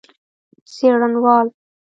څېړنوال